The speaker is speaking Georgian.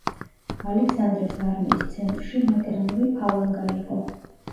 ალექსანდრეს არმიის ცენტრში მაკედონური ფალანგა იყო.